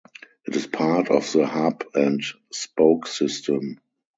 It is part of the hub-and-spoke system.